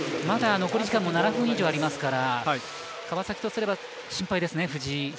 まだ残り時間も７分以上ありますから川崎とすれば心配ですね、藤井。